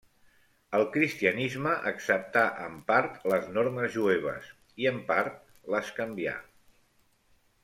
El cristianisme acceptà en part les normes jueves, i en part les canvià.